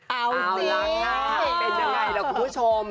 เอาล่ะค่ะเป็นยังไงล่ะคุณผู้ชม